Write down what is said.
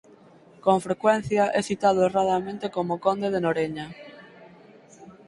Con frecuencia é citado erradamente como conde de Noreña.